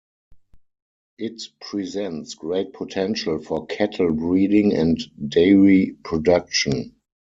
It presents great potential for cattle breeding and dairy production.